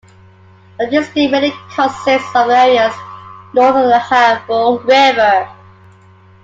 The district mainly consists of the areas north of the Havel river.